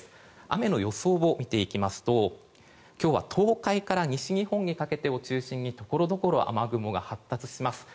雨の予想を見ていきますと今日は東海から西日本を中心にところどころ雨雲が発達します。